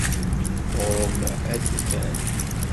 Ɣur-m ad d-iban.